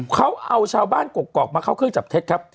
เขาเอาชาวบ้านกรกมาเข้าเครื่องจับเท็จครับ